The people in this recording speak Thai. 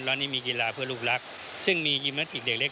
แล้วนี่มีกีฬาเพื่อลูกรักซึ่งมียิมเมิร์ทิกเด็กเล็ก